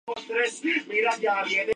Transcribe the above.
Music, y distribuido por Machete Music.